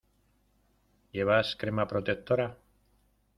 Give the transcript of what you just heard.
¿Llevas crema protectora?